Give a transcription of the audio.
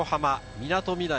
みなとみらい